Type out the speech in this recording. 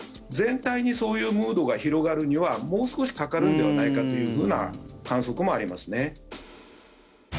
全体にそういうムードが広がるにはもう少しかかるのではないかというふうな観測もありますね。